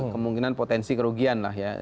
kemungkinan potensi kerugian lah ya